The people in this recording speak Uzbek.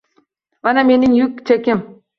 Mana mening yuk chekim.